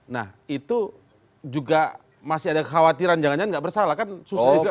nah itu juga masih ada khawatiran jangan jangan nggak bersalah kan susah juga